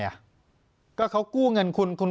ปากกับภาคภูมิ